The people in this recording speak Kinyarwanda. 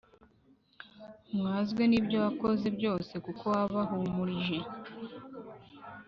umwazwe n’ibyo wakoze byose, kuko wabahumurije